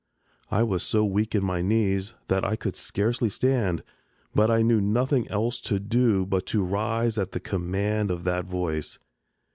I was so weak in my knees that I could scarcely stand, but I knew nothing else to do but to rise at the command of that voice.